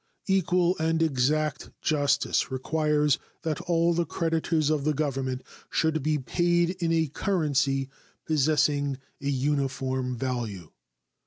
Equal and exact justice requires that all the creditors of the Government should be paid in a currency possessing a uniform value.